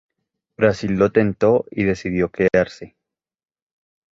Brasil lo tentó y decidió quedarse.